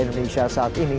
indonesia saat ini